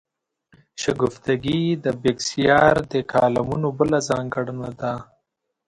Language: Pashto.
شګفتګي د بېکسیار د کالمونو بله ځانګړنه ده.